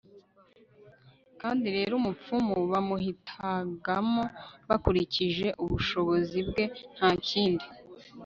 kandi rero umupfumu bamuhitagamo bakurikije ubushobozi bwe nta kindi